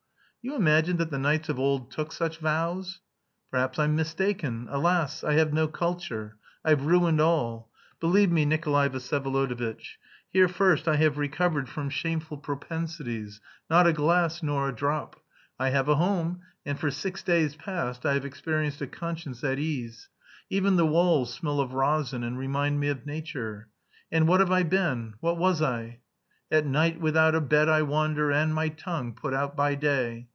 "You imagine that the knights of old took such vows?" "Perhaps I'm mistaken. Alas! I have no culture. I've ruined all. Believe me, Nikolay Vsyevolodovitch, here first I have recovered from shameful propensities not a glass nor a drop! I have a home, and for six days past I have experienced a conscience at ease. Even the walls smell of resin and remind me of nature. And what have I been; what was I? 'At night without a bed I wander And my tongue put out by day...'